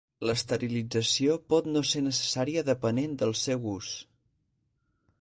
L'esterilització pot no ser necessària depenent del seu ús.